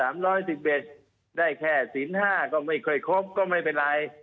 ไม่แค่ศิลป์๕ก็ไม่เคยครบก็ไม่เป็นไร